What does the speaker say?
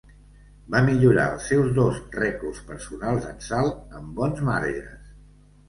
Va millorar els seus dos rècords personals en salt amb bons marges.